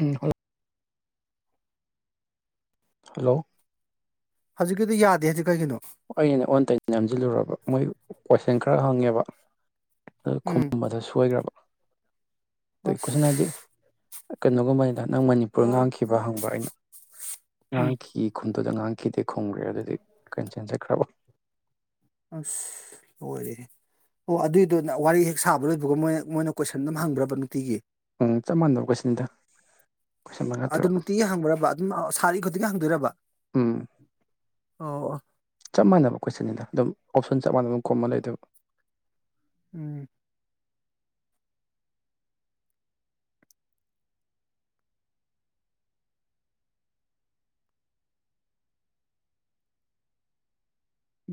ꯎꯝ ꯍꯣꯏ꯫ ꯍꯜꯂꯣ꯫ ꯍꯧꯖꯤꯛꯀꯤꯗꯨ ꯌꯥꯗꯦ ꯗꯨ ꯀꯩꯒꯤꯅꯣ꯫ ꯑꯩꯅ ꯑꯣꯟꯅ ꯇꯩꯅ ꯅꯝꯖꯜꯂꯨꯔꯕ ꯃꯣꯏ ꯀꯣꯏꯁꯟ ꯈꯔ ꯍꯪꯉꯦꯕ ꯑꯗꯨ ꯎꯝ ꯈꯨꯝꯕꯗ ꯁꯣꯏꯒ꯭ꯔꯕ꯫ [unintelligible] ꯑꯁ ꯀꯩꯅꯣꯃ [unintelligible] ꯅꯪ ꯃꯅꯤꯄꯨꯔ ꯉꯥꯡꯈꯤꯕ꯭ꯔꯥ ꯍꯪꯕ ꯑꯩꯅ꯫ ꯎꯝ ꯉꯥꯡꯈꯤ ꯈꯨ [unintelligible] ꯀꯦꯟꯁꯦꯟ ꯆꯠꯈ꯭ꯔꯕꯣ [unintelligible] ꯎꯟ ꯂꯣꯏꯔꯦꯍꯦ ꯑꯗꯨꯏꯗꯨ ꯋꯥꯔꯤ ꯍꯦꯛ ꯁꯥꯕ ꯂꯣꯏꯕꯒ ꯃꯣꯏꯟ ꯀꯣꯏꯁꯅꯗꯣ ꯑꯗꯨꯝ ꯉꯕꯔ꯭ꯕ ꯅꯨꯡꯇꯤꯒꯤ ꯎꯟ ꯆꯞ ꯃꯅꯥꯕ ꯀꯣꯏꯁꯅꯗ ꯀꯣꯏꯟꯗ ꯃꯉꯥ ꯑꯗꯨ ꯇꯥꯔꯨꯛ ꯅꯨꯡꯇꯤꯒꯤ ꯍꯪꯕ꯭ꯔꯕ ꯑꯗꯨꯝ ꯑ ꯁꯥꯔꯤ ꯈꯨꯗꯤꯡꯒꯤ ꯍꯪꯗꯣꯏꯔꯕ [unintelligible] ꯎꯟ ꯑꯣ ꯑꯣ ꯆꯞ ꯃꯥꯅꯕ ꯀꯣꯏꯁꯅꯤꯗ ꯑꯗꯨꯝ ꯑꯣꯞꯁꯣꯟ ꯆꯞ ꯃꯟꯅꯅ ꯈꯨꯝꯃ ꯂꯩꯗꯣꯏꯕ ꯎꯝ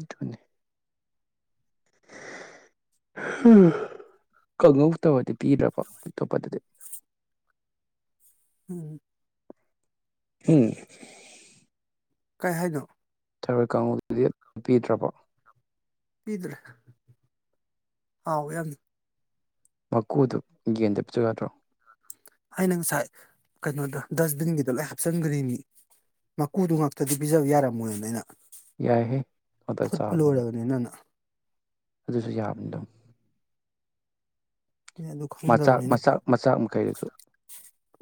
ꯗꯨꯅꯤ [unintelligible] ꯎꯝ [unintelligible] ꯀꯩ ꯍꯥꯏꯅꯣ ꯊꯔꯣꯏ ꯀꯥꯉꯧꯗꯨꯗꯤ ꯄꯤꯗꯔ꯭ꯕꯣ [unintelligible] ꯃꯀꯨꯗꯨ ꯌꯦꯟꯗ ꯄꯤꯖꯣ ꯌꯥꯗꯔꯣ ꯑꯩꯅꯥ ꯉꯥꯁꯥꯏ ꯀꯩꯅꯣꯗ ꯗꯨꯁꯕꯤꯟꯒꯤꯗ ꯂꯣꯏꯟ ꯍꯄꯆꯤꯅꯒꯔꯤꯃꯤ ꯃꯥꯀꯨꯗꯨ ꯉꯥꯛꯇꯗꯤ ꯄꯤꯖꯕ ꯌꯔꯃꯣꯏꯟ ꯂꯣꯏꯅ ꯌꯥꯏꯍꯦ [unintelligible] ꯂꯣꯏꯔꯕꯅꯤꯅꯅ ꯑꯗꯨꯁꯨ ꯌꯥꯕꯅꯤ ꯑꯗꯨꯝ ꯑꯩꯅ ꯑꯗꯨ ꯈꯪꯗꯕꯅꯤꯅ [unintelligible]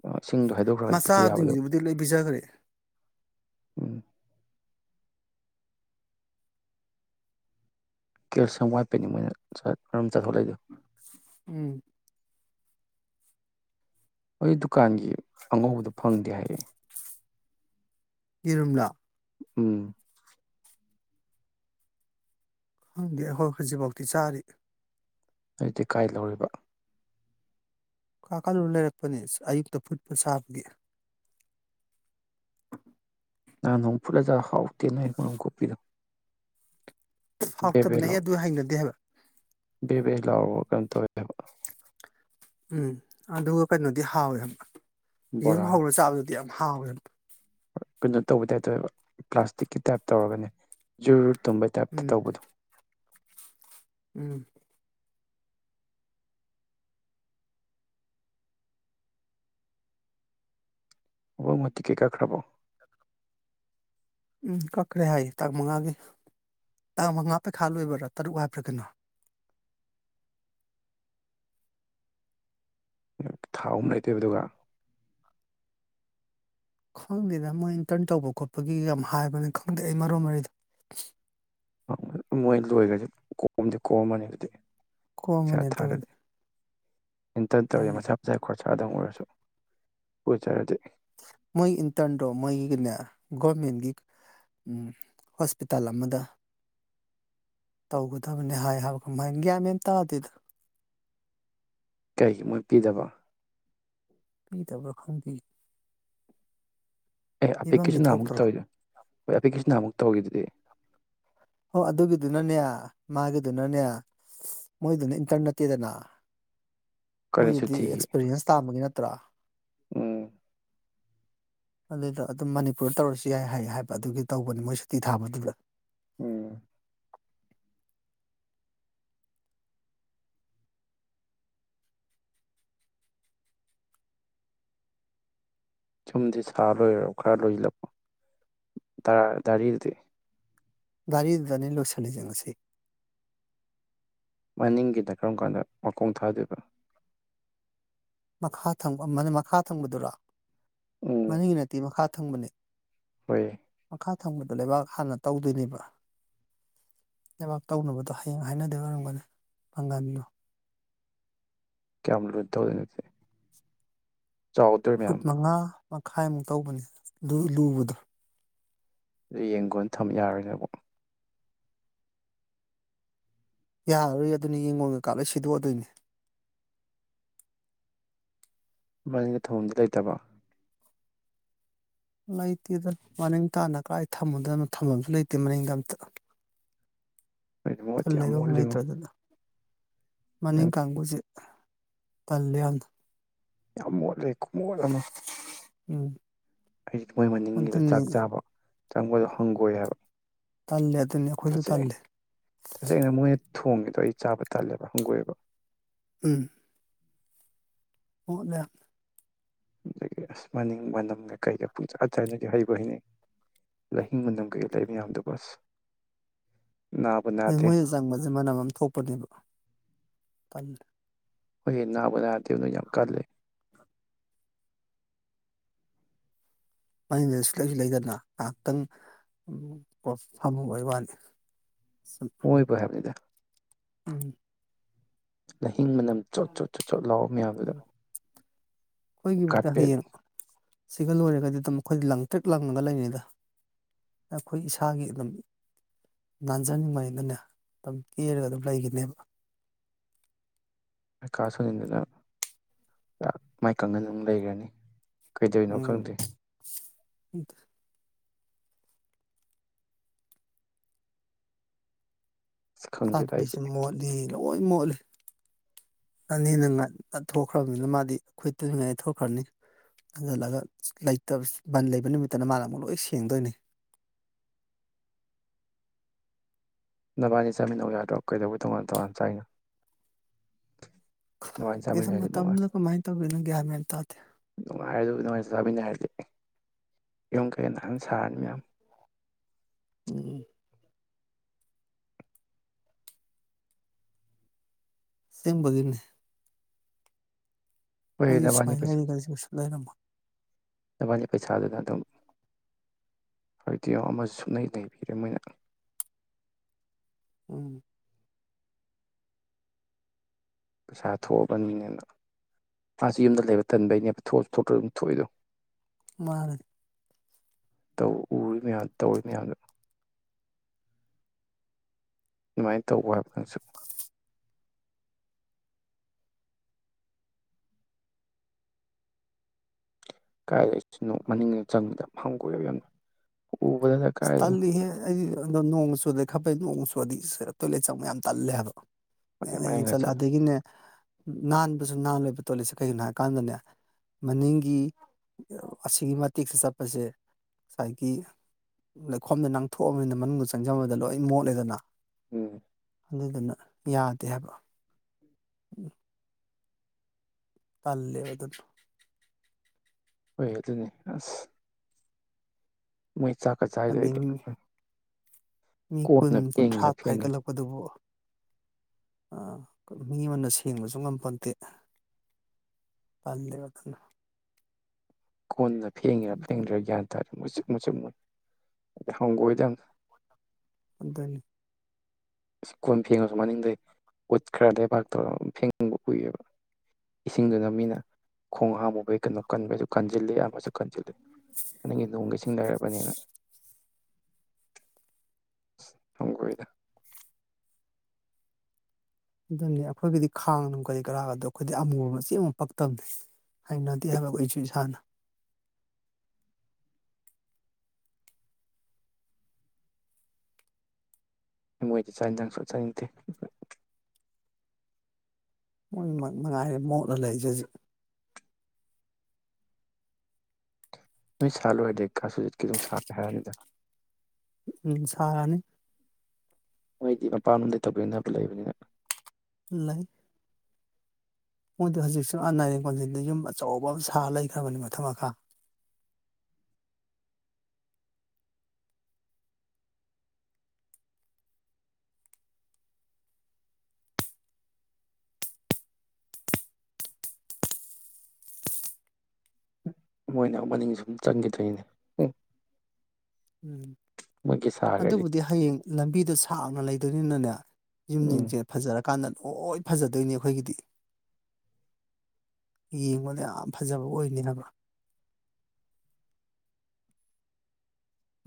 ꯍꯩꯗꯣꯛꯈ꯭ꯔꯒꯗꯤ ꯃꯆꯥ ꯄꯤꯖ ꯌꯥꯕꯗꯣ ꯖꯤꯡꯁꯤꯕꯨꯗꯤ ꯂꯣꯏꯅ ꯞꯤꯖꯒ꯭ꯔꯦ ꯎꯝ ꯆꯦꯂꯒꯤꯎꯟ ꯋꯥꯠꯄꯩꯅꯤ ꯃꯣꯏꯅ [unintelligible] [unintelligible] ꯎꯝ [unintelligible] ꯀꯟꯒꯤ ꯑꯥꯉꯧꯕꯗꯨ ꯈꯪꯗꯦ ꯍꯥꯌꯦ ꯌꯦꯔꯨꯝꯂꯣ ꯎꯝ ꯈꯪꯗꯦ ꯑꯈꯣꯏ꯫ ꯍꯧꯖꯤꯛꯐꯥꯎꯗꯤ ꯆꯥꯔꯤ ꯅꯣꯏꯗꯤ ꯀꯥꯏ ꯂꯧꯔꯨꯏꯕ [unintelligible] ꯂꯩꯔꯛꯄꯅꯦ ꯑꯌꯨꯛꯇ ꯐꯨꯠꯄ ꯆꯕꯒꯤ ꯅꯍꯥꯟ ꯅꯣꯡꯃ ꯐꯨꯠꯂ ꯆꯥꯕꯥ ꯍꯥꯎꯇꯦꯅꯦ ꯃꯥꯔꯨꯝ ꯀꯣꯀꯄꯤꯗꯣ ꯍꯥꯎꯇꯕꯅꯦ ꯑꯩ ꯑꯗꯨ ꯍꯩꯅꯗꯦ ꯍꯥꯏꯕ [unintelligible] ꯕꯦꯔꯦ ꯂꯥꯎꯔꯕꯣ [unintelligible] ꯎꯟ ꯑꯗꯨꯒ ꯀꯩꯅꯣꯗꯤ ꯍꯥꯎꯏ ꯌꯦꯔꯨꯝ ꯕꯣꯔꯥ ꯍꯧꯔ ꯆꯕꯗꯨꯗꯤ [unintelligible] [unintelligible] [unintelligible] ꯇꯧꯕꯩ ꯇꯌꯄ ꯇꯧꯏꯕ ꯄꯂꯥꯁꯇꯤꯀꯤ ꯇꯌꯄ ꯇꯧꯔꯒꯅꯦ ꯖꯨꯔ ꯇꯨꯝꯕꯩ ꯇꯌꯄ ꯇꯧꯕꯗꯨ ꯎ [unintelligible] ꯇꯤꯀꯦꯠ ꯀꯈꯔ꯭ꯕꯣ ꯎꯝ ꯀꯠꯈ꯭ꯔꯦ ꯍꯥꯏꯌꯦ ꯇꯥꯉꯥ ꯃꯥꯉꯥꯒꯤ ꯇꯥꯉꯥ ꯃꯉꯥ ꯄꯩꯈꯥ ꯂꯧꯕ ꯇꯥꯔꯨꯛ ꯍꯥꯏꯕꯔ ꯀꯩꯅꯣ ꯊꯥ ꯑꯍꯨꯝ ꯂꯩꯗꯣꯢꯕ ꯑꯗꯨꯒ ꯈꯪꯗꯦꯗ ꯃꯣꯏ ꯑꯤꯟꯇ꯭ꯔꯟ ꯇꯧꯕ ꯈꯣꯠꯄꯒꯤ ꯋꯥꯝ ꯍꯥꯏꯕꯅꯦ ꯈꯪꯗꯦ ꯑꯩ ꯃꯔꯣꯟ ꯃꯔꯤꯗꯣ ꯃꯣꯏ ꯂꯣꯏꯒ꯭ꯔꯗꯤ ꯄꯨꯀꯣꯝꯗꯤ ꯀꯣꯝꯃꯅꯤ ꯀꯣꯝꯃꯅꯤ ꯑꯗꯨꯕꯨꯗꯤ ꯑꯤꯟꯍ꯭ꯔꯟ ꯇꯧꯔꯦ ꯎꯝ ꯃꯁꯥ ꯃꯁꯥꯏ [unintelligible] [unintelligible] ꯃꯣꯏ ꯑꯟꯇ꯭ꯔꯟꯗꯣ ꯃꯣꯏꯒꯤꯅꯦ ꯒꯣꯔꯃꯦꯟꯒꯤ ꯑꯨꯝ ꯍꯣꯏꯄꯤꯇꯥꯜ ꯑꯃꯗ ꯇꯧꯒꯗꯕꯅꯦ ꯍꯥꯏ ꯍꯥꯏꯕ꯭ꯥꯔ ꯀꯧꯅꯣꯝ ꯍꯥꯏ ꯒꯋ꯭ꯥꯟꯦ-ꯃꯦꯟ ꯇꯥꯗꯦꯗ ꯀꯩꯒꯤ ꯃꯣꯏ ꯄꯤꯗꯕ ꯄꯤꯗꯕ꯭ꯔ ꯈꯪꯗꯦ ꯑꯦ ꯄꯤꯕꯝꯗꯤ ꯑꯄꯤꯛꯀꯤꯁꯨ ꯅꯍꯥꯟꯃꯨꯛ ꯊꯣꯛꯇ꯭ꯔꯣ ꯇꯧꯏꯗꯣ ꯈꯣꯏ ꯑꯄꯤꯛꯀꯤꯁꯨ ꯅꯍꯥꯟꯃꯨꯛ ꯇꯧꯏꯗꯨꯗꯤ ꯑꯥ ꯑꯗꯨꯒꯤꯗꯨꯅꯥꯅꯦ ꯃꯒꯤꯗꯨꯅꯅꯦ ꯃꯣꯏꯒꯤꯗꯨꯅ ꯏꯟꯇꯔ꯭ꯟ ꯅꯠꯇꯦꯗꯅ ꯀꯥꯂꯦꯟ ꯃꯣꯏꯒꯤꯗꯤ ꯁꯨꯇꯤꯒꯤ ꯑꯦꯛꯁꯄꯤꯔꯦꯟꯁ ꯇꯥꯟꯕꯒꯤ ꯅꯠꯇ꯭ꯔ ꯎꯝ ꯃꯅꯤꯗ ꯑꯗꯨꯝ ꯃꯅꯤꯄꯨꯔꯗ ꯇꯧꯔꯁꯨ ꯌꯥꯏ ꯍꯥꯏꯕ ꯑꯗꯨꯒꯤ ꯇꯧꯕꯅꯦ ꯃꯣꯏ ꯁꯨꯇꯤ ꯊꯥꯕꯗꯨꯗ ꯑꯨꯝ ꯌꯨꯝꯗꯤ ꯁꯥ ꯂꯣꯏꯔꯕꯣ ꯈꯥ [unintelligible] ꯗꯥꯔꯤ ꯗꯨꯗꯤ ꯗꯥꯔꯤ ꯗꯨꯗꯅꯦ ꯂꯣꯏꯁꯟꯂꯤꯁꯦ ꯉꯁꯤ ꯃꯅꯤꯡꯒꯤꯅ ꯀꯔꯝ ꯀꯥꯟꯗ ꯃꯈꯣꯡ ꯊꯗꯣꯏꯕ ꯃꯈꯥꯊꯪꯕ ꯃꯅꯦ ꯃꯈꯥ ꯊꯪꯕꯗꯨꯔꯣ ꯎꯝ ꯃꯅꯤꯡꯒꯤ ꯅꯠꯇꯦ ꯃꯈꯥ [unintelligible] ꯍꯣꯏ ꯃꯈꯥ ꯊꯪꯕꯗꯣ ꯂꯩꯕꯥꯛ ꯍꯥꯟꯅ ꯇꯧꯗꯣꯏꯅꯦꯕ ꯂꯩꯕꯥꯛ ꯇꯧꯅꯕꯗꯣ ꯍꯌꯦꯡ ꯍꯥꯏꯅꯗꯣꯏ ꯑꯣꯏꯔꯝꯒꯅꯤ [unintelligible] ꯀꯌꯥꯝ ꯂꯨꯅ ꯇꯧꯋꯤꯅꯣ ꯑꯗꯨꯗꯤ ꯐꯨꯠ ꯃꯉꯥ ꯃꯈꯥꯏ ꯃꯨꯛ ꯇꯧꯒꯅꯤ ꯗꯨ ꯂꯨꯕꯗꯣ ꯗꯨꯏ ꯌꯦꯟꯒꯣꯟꯗꯤ ꯊꯝ ꯌꯥꯔꯦꯏꯅꯦꯀꯣ ꯌꯥꯔꯔꯣꯏ ꯑꯗꯨꯅꯦ ꯌꯦꯡꯒꯣꯟ ꯀꯩꯀꯥ ꯂꯣꯏ ꯁꯤꯗꯣꯛꯑꯗꯣꯏꯅꯦ ꯃꯅꯤꯡꯗ ꯊꯝꯕꯝꯗꯤ ꯂꯩꯇ꯭ꯔꯕꯣ ꯂꯩꯇꯦꯗ ꯃꯅꯤꯡ ꯇꯥꯟꯅ ꯀꯥꯏ ꯊꯝꯃꯨꯗꯣꯏꯅꯣ ꯊꯝꯕꯝꯁꯨ ꯂꯩꯇꯦꯃꯅꯤꯡꯗ ꯑꯝꯇ ꯅꯣꯏꯗꯤ ꯊꯨꯟ ꯃꯣꯠꯇꯤ ꯌꯥꯝ ꯂꯩꯕꯝꯐꯧ ꯂꯩꯇꯦ ꯃꯣꯠꯂꯤꯉꯣ ꯑꯩ ꯃꯅꯤꯡ ꯀꯥꯡꯕꯨꯖꯦ ꯇꯟꯂꯦ ꯌꯥꯝꯅ ꯌꯥꯝ ꯃꯣꯠꯂꯦ ꯈꯨꯃꯣꯠ ꯑꯃ ꯑꯨꯝ ꯑꯩꯗꯤ ꯃꯣꯏ ꯃꯅꯤꯡꯒꯤꯗꯣ ꯆꯥꯛ ꯆꯕ ꯆꯪꯕꯗꯣ ꯍꯪꯒꯣꯏ ꯍꯥꯏꯕ ꯇꯟꯂꯦ [unintelligible] [unintelligible] [inaudible] ꯎꯝ [unintelligible] [unintelligible] [inaudible] ꯅꯥꯗꯦ [unintelligible] ꯃꯅꯝ ꯑꯃ ꯊꯣꯛꯄꯅꯦꯕ [unintelligible] [unintelligible] ꯅꯥꯕꯨ ꯅꯥꯗꯦꯗ ꯌꯥꯝ ꯀꯜꯂꯦ [unintelligible] [unintelligible] [inaudible] [unintelligible] [unintelligible] [unintelligible] [unintelligible] [unintelligible] [unintelligible] ꯀꯥꯔꯄꯦꯠ ꯍꯌꯦꯡ [unintelligible] ꯂꯣꯢꯔꯒꯗꯤꯑꯗꯨꯝ ꯑꯈꯣꯏꯗꯤ ꯂꯪꯇꯔ꯭ꯤꯛ ꯂꯪꯉꯒ ꯂꯩꯅꯤꯗ [unintelligible] ꯏꯁꯥꯒꯤ ꯑꯗꯨꯝ [unintelligible] ꯀꯦꯔꯒ ꯑꯗꯨꯝ ꯂꯩꯒꯤꯅꯦꯕ [unintelligible] [unintelligible] ꯀꯩꯗꯧꯔꯤꯅꯣ ꯎꯝ ꯈꯪꯗꯦ [unintelligible] ꯑꯁ ꯈꯪꯗꯦꯗ ꯑꯩꯗꯤ [unintelligible] [unintelligible] ꯂꯣꯢ ꯃꯣꯠꯂꯤ [unintelligible] [unintelligible] [unintelligible] [inaudible] [unintelligible] ꯕꯟꯗ ꯂꯩꯕꯥ ꯅꯨꯃꯤꯠꯇꯅ ꯃꯅꯥ [unintelligible] ꯅꯥꯕꯅꯤ ꯆꯥꯃꯤꯟꯅꯧ ꯌꯥꯗꯔꯣ ꯀꯩꯗꯧꯕꯩ ꯇꯣꯉꯥꯟ ꯇꯣꯉꯥꯟ ꯆꯥꯏꯅꯣ ꯈꯪꯗꯦꯗ ꯃꯇꯝꯗꯨꯗ ꯀꯃꯥꯏꯅ ꯇꯧꯗꯣꯏꯅꯣ ꯒ꯭ꯌꯥꯟ ꯃꯦꯟ ꯇꯥꯗꯦ [unintelligible] [unintelligible] ꯌꯨꯝ ꯀꯩ ꯅꯥꯟ ꯁꯥꯔꯅꯤ ꯌꯦꯡꯉꫭ ꯎꯝ ꯑꯁꯦꯡꯕꯒꯤꯅꯤ ꯑꯩꯁꯨ ꯁꯨꯃꯥꯏꯅ ꯂꯩꯔꯤꯒꯁꯦ ꯀꯩꯁꯨ ꯂꯩꯔꯝꯃꯣꯏ ꯅꯥꯕꯥꯅꯤ ꯄꯩꯁꯥꯗꯨꯅ ꯑꯗꯨꯝ ꯑꯩꯗꯤ ꯌꯦꯡ ꯑꯃꯁꯦ ꯁꯨꯡꯂꯩ ꯂꯩꯕꯤ ꯔꯝꯃꫭꯏ ꯎꯝ ꯄꯩꯁꯥ ꯊꯣꯛꯑꯕꯅꯦꯅ ꯃꯥꯁꯨ ꯌꯨꯝꯗ ꯂꯩꯕ ꯇꯟꯕꯩꯅꯦ ꯊꫭꯛꯑꯁꯨ ꯊꫭꯛꯇꯔꯥꯁꯨ ꯑꯗꯨꯝ ꯊꫭꯛꯏꯗꫭ ꯃꯥꯅꯤ ꯎꯔꯤ ꯃꯌꯥꯝꯗꯨ ꯇꯧꯔꯤ ꯃꯌꯥꯝꯗꯨ ꯑꯗꯨꯝ ꯃꯥꯏ ꯇꯧ ꯍꯥꯏꯕ ꯅꯪꯁꯨ ꯀꯥꯏꯗꯩ ꯃꯅꯤꯡꯗ ꯆꯪꯂꯤꯗꫭ ꯍꯪꯒꫭꯏꯌꯦ ꯌꯥꯝꯅ ꯎꯕꯗꯅ ꯀꯥꯏꯗꯩꯅꯣ ꯇꯟꯂꯤ ꯍꯦ ꯑꯩ ꯅꫭꯡꯒ ꯆꯨꯗꯔꯗꯤ ꯈꯔ ꯐꯩ ꯅꫭꯡꯒ ꯆꯨ ꯔꯗꯤ ꯇꫭꯏꯂꯦꯠ ꯆꯪꯕ ꯌꯥꯝ ꯇꯟꯂꯦ ꯍꯥꯏꯕ ꯃꯌꯦꯡ ꯃꯌꯦꯡ ꯆꯠꯂꯦ ꯑꯗꯒꯤꯅꯦ ꯅꯥꯟꯕꯁꯨ ꯅꯥꯜꯂꯣꯏꯕ ꯇꯣꯏꯂꯦꯠꯁꯦ ꯀꯩꯒꯤꯅꯣ ꯍꯥꯏꯀꯟꯗꯅꯦ ꯃꯅꯤꯡꯒꯤ ꯑꯁꯤꯒꯤ ꯃꯇꯦꯛꯁꯦ ꯆꯠꯄꯁꯦ ꯂꯩꯈꯣꯝ ꯂꯩꯅꯥꯡ ꯊꯣꯛꯑꯕꯅꯤꯅ ꯃꯅꯨꯡꯗ ꯆꯪꯁꯟꯕꯗ ꯂꯣꯏ ꯃꯣꯠꯂꯦꯗꯅ ꯎꯝ ꯑꯗꯨꯅ ꯌꯥꯗꯦ ꯍꯥꯏꯕ ꯏ ꯇꯜꯂꯦꯕ ꯗꯨꯅ꯫ ꯍꯣꯏ ꯑꯗꯨꯅꯦ ꯑꯁ ꯃꯣꯏ ꯆꯥꯛꯀ ꯆꯥꯏꯗꯣ ꯑꯩꯗꯤ ꯍꯅꯤꯡꯅꯤ ꯃꯤ ꯀꯨꯟ ꯀꯣꯟꯅ ꯀꯨꯟꯊ꯭ꯔꯥ ꯐꯦꯡꯉꯤꯔ ꯐꯦꯡꯉꯦ ꯐꯥꯏꯔꯒꯕꯨ꯫ ꯑ ꯃꯤ ꯑꯃꯅ ꯁꯦꯡꯕꯖꯨ ꯉꯝꯄꯣꯟꯇꯦ [unintelligible] ꯀꯣꯟꯅ ꯐꯦꯡꯉꯤꯔ ꯑꯗꯨꯅꯤ ꯐꯦꯡꯗꯔꯤꯔ ꯒ꯭ꯌꯥꯟ ꯇ ꯃꯆꯤꯛ ꯃꯆꯪꯑꯣꯏ ꯍꯪꯒꯣꯏꯗ꯫ ꯑꯗꯨꯅꯤ꯫ ꯏꯁ ꯀꯣꯟ ꯐꯦꯡꯉꯁꯨꯨ ꯃꯅꯤꯡꯗꯩ ꯎꯠ ꯈꯔ ꯂꯩꯕꯥꯛ ꯇꯧꯔ ꯐꯦꯡꯕ ꯀꯨꯏꯔꯦꯕ ꯏꯁꯤꯡꯗꯨꯅ ꯃꯤꯅ ꯈꯣꯡ ꯍꯥꯝꯃꯨꯕꯩ ꯀꯩꯅꯣ ꯀꯟꯕꯗꯣ ꯀꯟꯖꯤꯜꯂꯦ ꯑꯃꯖꯨ ꯀꯟꯖꯤꯜꯂꯦ꯫ [unintelligible] ꯍꯪꯒꯣꯏꯗ꯫ [unintelligible] ꯑꯩꯈꯣꯏꯒꯤꯗꯤ ꯈꯥꯡ ꯅꯨꯡ ꯀꯔꯤ ꯀꯔꯥ ꯒꯥꯗꯣ ꯑꯈꯣꯏꯗꯤ ꯑꯃꯨꯕ ꯃꯆꯦꯠ ꯑꯃꯕꯧ ꯄꯛꯇꯕꯅꯤ ꯍꯩꯅꯗꯦ ꯍꯥꯏꯕ ꯑꯩꯈꯣꯏꯖꯨ ꯏꯁꯥꯅ꯫ ꯃꯣꯏꯗ ꯆꯥꯛ ꯏꯟꯖꯥꯡ ꯁꯨꯡ ꯆꯥ ꯆꯥꯅꯤꯡꯗꯦ꯫ ꯃꯣꯏꯃꯛ ꯃꯉꯥꯏꯔꯦ ꯃꯣꯠꯂꯒ ꯂꯩꯔꯤꯖꯦ ꯍꯧꯖꯤꯛ꯫ ꯅꯣꯏ ꯁꯥ ꯂꯣꯏꯔꯗꯤ [unintelligible] ꯀꯤꯁꯨ ꯁꯥꯠ ꯍꯩꯔꯅꯤꯗ꯫ ꯎꯝ ꯁꯥꯔꯅꯤ꯫ ꯃꯣꯏꯗꯤ ꯃꯄꯥꯝꯗ ꯂꯩꯇꯕꯅꯤꯅ ꯅꯛꯄꯗ ꯂꯩꯕꯅꯤꯅ ꯂꯩ꯫ ꯃꯣꯏꯗꯣ ꯍꯧꯖꯤꯛꯁꯨ ꯑ ꯅꯔꯦꯟ ꯀꯣꯟꯖꯤꯟꯗ ꯌꯨꯝ ꯑꯆꯧꯕ ꯑꯃ ꯁꯥ ꯂꯩꯈꯔꯕꯅꯤ ꯃꯊꯛ ꯃꯈꯥ꯫ ꯃꯣꯏꯅ ꯑꯃꯨꯛ ꯃꯅꯤꯡ ꯁꯨꯝ ꯆꯪꯒꯤꯗꯣꯏꯅꯤ꯫ ꯁꯥꯈ꯭ꯔꯗꯤ ꯑꯗꯨꯕꯨꯗꯤ ꯍꯌꯦꯡ ꯂꯝꯕꯤꯗꯣ ꯁꯥꯡꯅ ꯂꯩꯕ [unintelligible] ꯌꯨꯝ ꯎꯝ ꯖꯤꯡꯖꯦ ꯐꯖꯔꯛ ꯀꯥꯟꯗ ꯂꯣꯏ ꯐꯖꯗꯣꯏꯅꯤ ꯈꯣꯏꯒꯤꯗꯤ ꯌꯦꯡꯕꯗ ꯌꯥꯝ ꯐꯖꯕ ꯑꯣꯏꯅꯤꯕ ꯍꯥꯏꯕ꯫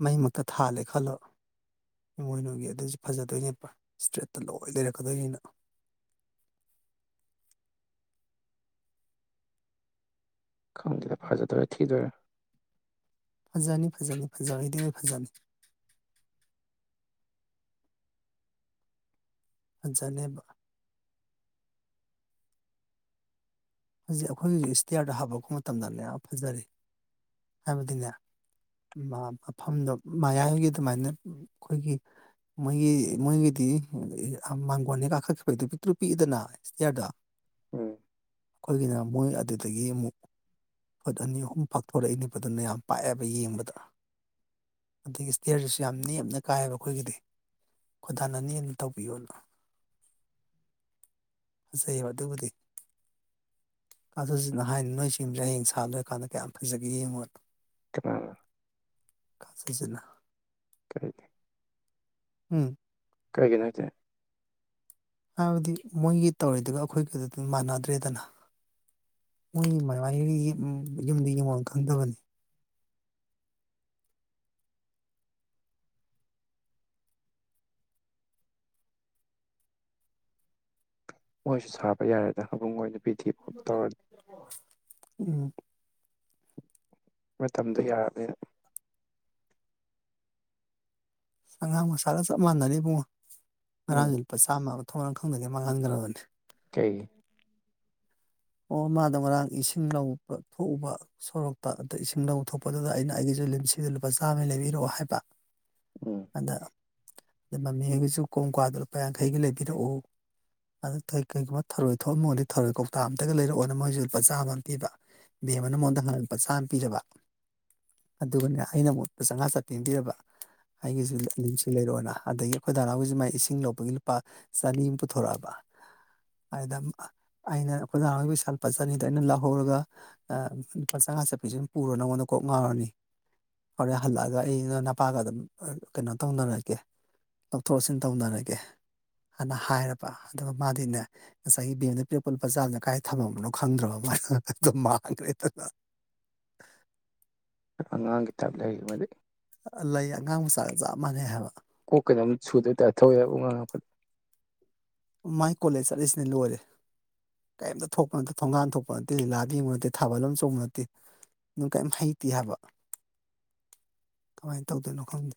ꯃꯩ ꯃꯛꯇ ꯊꯥꯜꯂꯦ ꯈꯜꯂꯣ ꯏꯃꯣꯏꯅꯨꯒꯤ ꯑꯗꯨꯁꯨ ꯐꯖꯗꯣꯏꯅꯦꯕ ꯏꯁꯇꯔꯦꯠ ꯇ ꯂꯣꯏꯅ ꯂꯩꯔꯛꯀꯗꯣꯏꯅꯤꯅ꯫ ꯈꯪꯗꯦꯗ ꯐꯖꯗꯣꯏꯔ ꯊꯤꯗꯣꯏꯔ꯫ ꯐꯖꯅꯤ ꯐꯖꯅꯤ ꯐꯖꯕꯩꯗꯤ ꯂꯣꯏ ꯐꯖꯅꯤ꯫ ꯐꯖꯅꯦꯕ꯫ ꯍꯧꯖꯛ ꯑꯩꯈꯣꯏꯒꯤꯖꯨ ꯏꯁꯇꯤꯌꯥꯔꯗ ꯍꯥꯞꯄꯛꯄ ꯃꯇꯝꯗꯅꯦ ꯐꯖꯔꯦ ꯍꯥꯏꯕꯗꯤꯅꯦ ꯃ ꯃꯐꯝꯗꯣ ꯃꯌꯥꯏꯒꯤ ꯑꯗꯨꯃꯥꯏꯅ ꯑꯈꯣꯏꯒꯤ ꯃꯣꯏꯒꯤ ꯃꯣꯏꯒꯤꯗꯤ ꯃꯥꯡꯒꯣꯟꯗꯩ ꯀꯥꯈꯠꯈꯤꯕꯩꯗꯣ ꯄꯤꯛꯇꯔꯨ ꯄꯤꯛ ꯏ ꯗꯅ ꯏꯁꯇꯤꯌꯥꯔꯗꯣ ꯎꯝ ꯑꯩꯈꯣꯏꯒꯤꯅ ꯃꯣꯏ ꯑꯗꯨꯗꯒꯤ ꯃꯨꯛ ꯐꯨꯠ ꯑꯅꯤ ꯑꯍꯨꯝ ꯄꯥꯛꯊꯣꯔꯛ ꯏ ꯗꯅ ꯑꯗꯨꯅ ꯌꯥꯝ ꯄꯥꯛꯑꯦꯕ ꯌꯦꯡꯕꯗ ꯑꯗꯩ ꯏꯁꯇꯤꯌꯥꯔꯗꯨꯁꯨ ꯌꯥꯝ ꯅꯦꯝꯅ ꯀꯥꯏꯑꯕ ꯑꯩꯈꯣꯏꯒꯤꯗꯤ ꯈꯨꯊꯥꯟ ꯑꯅꯤ ꯑꯝ ꯊꯧꯕꯤꯌꯨ ꯐꯖꯩꯑꯕ ꯑꯗꯨꯕꯨꯗꯤ꯫ ꯀꯥ ꯁꯥꯖꯤꯠꯅ ꯍꯥꯏꯅꯤ ꯅꯣꯏ ꯁꯤꯝꯖꯦ ꯁꯥꯂꯣꯏꯔꯀꯥꯟꯗ ꯀꯌꯥꯝ ꯐꯖꯒꯦ ꯌꯦꯡꯉꯣꯅ꯫ ꯀꯅꯥꯅ꯫ ꯀꯥ ꯁꯟꯖꯤꯠꯅ꯫ ꯀꯩꯒꯤ꯫ ꯍꯨꯝ ꯀꯩꯒꯤꯅꯣꯖꯦ꯫ ꯍꯥꯏꯕꯗꯤ ꯃꯣꯏꯒꯤ ꯇꯧꯔꯤꯗꯨꯒ ꯑꯩꯈꯣꯏꯒꯤꯗꯨ ꯃꯥꯅꯗꯔꯦꯗꯅ ꯃꯣꯏ ꯃꯥꯃꯥꯢꯑꯣꯏꯒꯤ ꯎꯝ ꯌꯨꯝꯗꯤ ꯌꯦꯡꯕꯝ ꯈꯪꯗꯕꯅꯤ꯫ ꯃꯣꯏꯁꯨ ꯁꯥꯒꯠꯄ ꯌꯥꯔꯦꯗ ꯑꯕꯨꯡ ꯍꯣꯏ [unintelligible] ꯎꯝ꯫ ꯃꯇꯝꯗꯣ ꯌꯥꯔꯕꯅꯤꯅ꯫ ꯑꯉꯥꯡꯃꯆꯥꯒ ꯆꯞ ꯃꯥꯅꯔꯤ ꯏꯕꯨꯡꯉꯣ꯫ ꯎꯝ ꯉꯔꯥꯡ ꯂꯨꯄꯥ ꯆꯃ ꯑꯃ ꯃꯐꯝ ꯃꯥꯔꯟ ꯈꯪꯗꯥꯃꯩ ꯃꯪꯍꯟꯈꯔ꯭ꯕꯅꯤ ꯀꯔꯤꯒꯤ ꯐ ꯃꯗꯣ ꯉꯥꯔꯟ ꯑꯦꯁꯤꯪ ꯂꯩꯕ ꯇꯣꯀꯨꯕ ꯁꯣꯔꯣꯛꯇ ꯑꯗꯥ ꯑꯦꯁꯤꯡ ꯂꯧ ꯊꯣꯛꯄꯗꯨꯗ ꯑꯩꯅꯥ ꯑꯩꯒꯤꯁꯨ ꯂꯤꯃꯁꯤꯗꯨ ꯂꯨꯞ ꯆꯥꯃꯩ ꯂꯩꯔꯀ ꯑꯣ ꯍꯥꯌꯕ ꯎꯝ ꯑꯗ ꯃꯃꯥꯌꯥꯏ ꯒꯤꯖꯨ ꯀꯣꯡ ꯀꯥꯋ꯭ꯗꯣ ꯂꯨꯄꯥ ꯌꯥꯡꯈꯩꯒꯤ ꯂꯩꯕꯤꯔꯛ ꯑꯣ ꯑꯗꯣ ꯀꯩꯒꯨꯝꯕ ꯊꯔꯣꯏ ꯊꯣꯛ ꯑꯝꯃꯗꯤ ꯊꯔꯣꯌ ꯀꯧꯇꯥ ꯑꯃꯇ [unintelligible] [unintelligible] [unintelligible] ꯑꯉꯥꯡꯒꯤ ꯇꯨꯞ ꯂꯩꯔꯦ ꯃꯗꯤ ꯂꯩ ꯑꯉꯟ ꯃꯆꯒ ꯆꯞ ꯃꯅꯩ ꯀꯣꯛ ꯀꯔꯤꯅꯣ ꯑꯃ [unintelligible] ꯃꯩ ꯀꯣꯂꯦꯒ ꯆꯠꯂꯤꯁꯤꯟ ꯂꯣꯏꯔꯦ ꯀꯩꯃꯠ ꯊꯣꯀꯞ ꯃꯇꯦ ꯊꯣꯉꯟ ꯊꯣꯛꯄ ꯟꯇꯦ ꯂꯤꯂꯗꯤ ꯌꯦꯡꯕ ꯅꯥꯇꯦ꯫ ꯊꯕꯛ ꯑꯃ ꯆꯣꯡꯕ ꯅꯥꯇꯦ꯫ [unintelligible] ꯀꯦꯝ ꯍꯩꯇꯦ ꯍꯥꯌꯕ ꯀꯥꯃꯥꯏ ꯇꯧꯗꯣꯏꯅꯣ ꯈꯪꯗꯦ